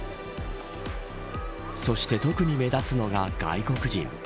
そして特に目立つのが外国人。